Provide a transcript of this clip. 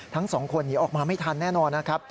ทั้งสองคนหนีออกมาไม่ทันแน่นอนนะครับ